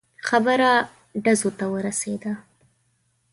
خبره ډزو ته ورسېده.